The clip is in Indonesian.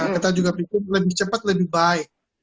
kita juga pikir lebih cepat lebih baik